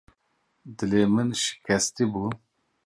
Dilê min şikestî bû.